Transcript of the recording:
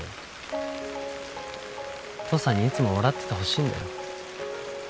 父さんにいつも笑っててほしいんだよ。